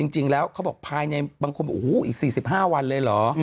จริงแล้วเขาบอกภายในเหมือนโห้ออีก๔๕วันเลยเหรอ